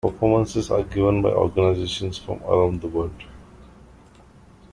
Performances are given by organizations from around the world.